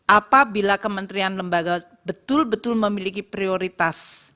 apabila kementerian lembaga betul betul memiliki prioritas